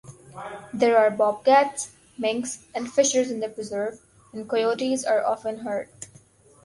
There are bobcats, minks and fishers in the preserve, and coyotes are often heard.